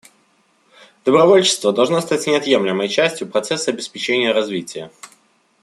Добровольчество должно стать неотъемлемой частью процесса обеспечения развития.